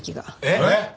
えっ！？